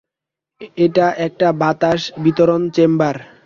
এটা একটা বাতাস বিতরণ চেম্বার।